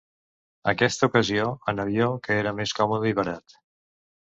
Aquesta ocasió, en avió, que era més còmode i barat.